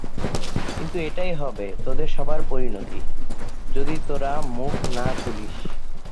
কিন্তু এটাই হবে তোদের সবার পরিণতি, যদি তোরা মুখ না খুলিস।